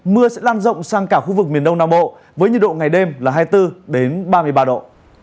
mưa sẽ lan rộng sang cả khu vực miền đông nam bộ với nhiệt độ ngày đêm là hai mươi bốn ba mươi ba độ